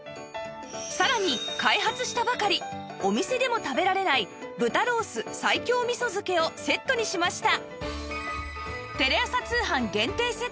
さらに開発したばかりお店でも食べられない豚ロース西京味噌漬けをセットにしました